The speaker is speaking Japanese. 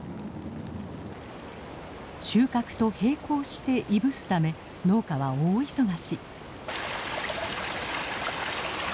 収穫と並行していぶすため農家は大忙し。